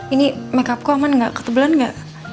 ini makeup ku aman ga ketebalan ga